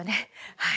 はい。